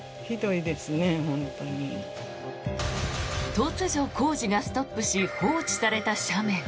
突如、工事がストップし放置された斜面。